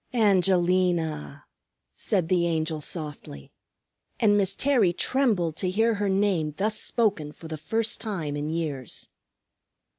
"Angelina!" said the Angel softly; and Miss Terry trembled to hear her name thus spoken for the first time in years.